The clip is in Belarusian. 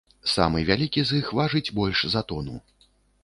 Самы вялікі з іх важыць больш за тону.